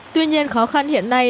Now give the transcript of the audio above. tuy nhiên khó khăn hiện nay